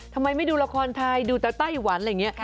ทำไมไม่ดูละครไทยดูแต่ไต้หวันอะไรอย่างนี้